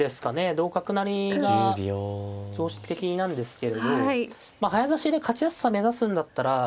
同角成が常識的なんですけれどまあ早指しで勝ちやすさ目指すんだったら。